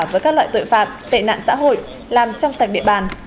với các loại tội phạm tệ nạn xã hội làm trong sạch địa bàn